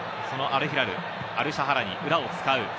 そのアルヒラル、アルシャハラニ、裏を使う。